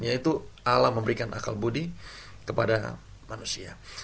yaitu alam memberikan akal budi kepada manusia